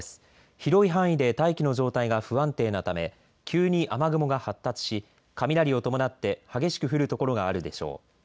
広い範囲で大気の状態が不安定なため急に雨雲が発達し雷を伴って激しく降る所があるでしょう。